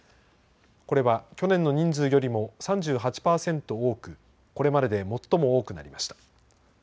これは去年の人数よりも３８％多くこれまでで最も多くなりました。